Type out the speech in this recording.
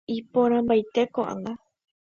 iporãmbaite ko óga